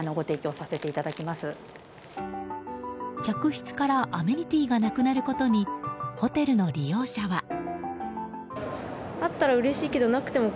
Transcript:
客室からアメニティーがなくなることにホテルの利用者は。